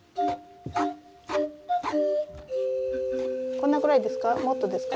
こんなくらいですか？